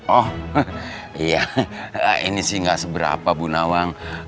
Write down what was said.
oh iya ini sih gak seberapa bu nawang